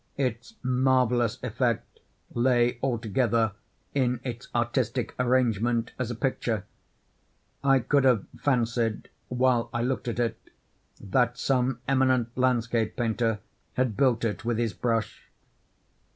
Its marvellous effect lay altogether in its artistic arrangement as a picture. I could have fancied, while I looked at it, that some eminent landscape painter had built it with his brush.